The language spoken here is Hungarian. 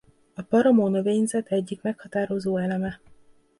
A paramo-növényzet egyik meghatározó eleme.